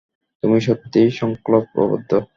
তুমি সত্যিই সংকল্পবদ্ধ।